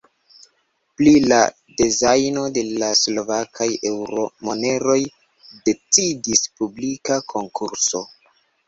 Pri la dezajno de la slovakaj eŭro-moneroj decidis publika konkurso.